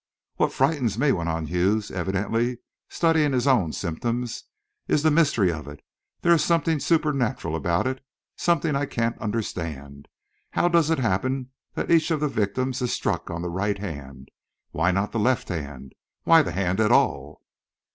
"What frightens me," went on Hughes, evidently studying his own symptoms, "is the mystery of it there is something supernatural about it something I can't understand. How does it happen that each of the victims is struck on the right hand? Why not the left hand? Why the hand at all?"